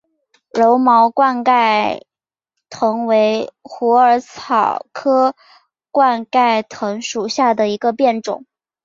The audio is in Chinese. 柔毛冠盖藤为虎耳草科冠盖藤属下的一个变种。